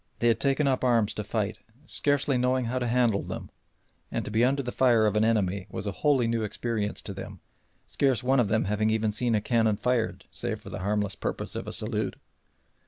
They had taken up arms to fight, scarcely knowing how to handle them, and to be under the fire of an enemy was a wholly new experience to them, scarce one of them having even seen a cannon fired save for the harmless purpose of a salute.